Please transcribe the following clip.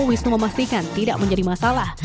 wisnu memastikan tidak menjadi masalah